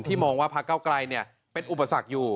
ที่มองว่าพักเกาะไกรเป็นอุปสรรคอยู่